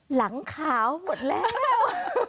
หลังขาวหมดแล้ว